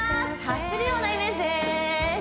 走るようなイメージです